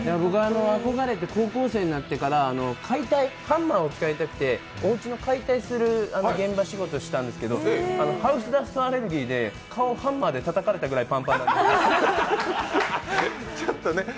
憧れて、高校生になってからハンマーを使いたくておうちの解体のバイトしたんですけどハウスダストアレルギーで顔をハンマーでたたかれたぐらいパンパンになりました。